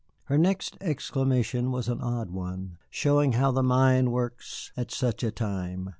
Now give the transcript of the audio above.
Her next exclamation was an odd one, showing how the mind works at such a time.